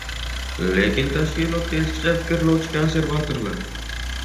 Lekin tashkilotda eskicha fikrlovchi konservatorlar